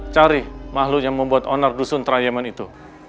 cari makhluk yang membuat onar dusun trayemen itu